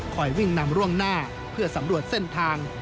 วิ่งนำร่วงหน้าเพื่อสำรวจเส้นทาง